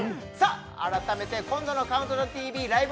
改めて今度の「ＣＤＴＶライブ！